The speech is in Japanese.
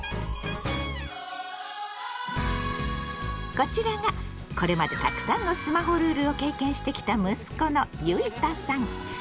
こちらがこれまでたくさんのスマホルールを経験してきた息子のゆいたさん。